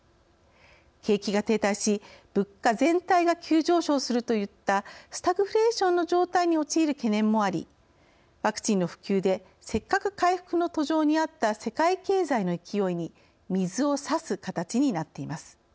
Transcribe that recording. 景気が停滞し物価全体が急上昇するといった「スタグフレーション」の状態に陥る懸念もありワクチンの普及でせっかく回復の途上にあった世界経済の勢いに水を差す形になっています。